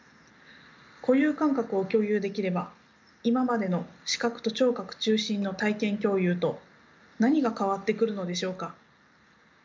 固有感覚を共有できれば今までの視覚と聴覚中心の体験共有と何が変わってくるのでしょうか。